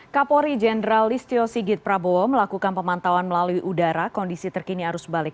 kapolri jenderal listio sigit prabowo melakukan pemantauan melalui udara kondisi terkini arus balik